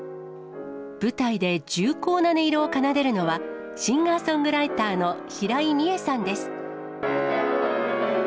舞台で重厚な音色を奏でるのは、シンガーソングライターの平井ミエさんです。